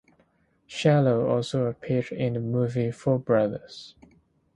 "Shallow" also appeared in the movie "Four Brothers".